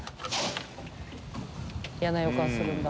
嫌な予感するんだ？